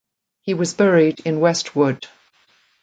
He was buried in Westwood.